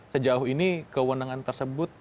sejauh ini kewenangan tersebut